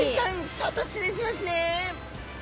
ちょっと失礼しますね。